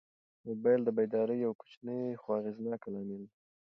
موبایل د بیدارۍ یو کوچنی خو اغېزناک لامل و.